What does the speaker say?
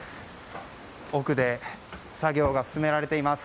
奥で作業が進められています。